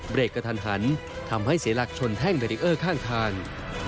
เบรียร์กระทันทำให้เสร็จหลักชนแท่งเบรียร์ข้างทาง